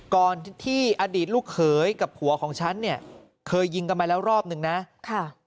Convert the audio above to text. ก่อนที่อดีตลูกเขยกับผัวของฉันเนี่ยเคยยิงกันมาแล้วรอบหนึ่งนะค่ะ